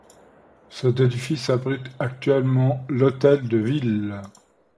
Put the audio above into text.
Cet édifice abrite actuellement l’hôtel-de-ville.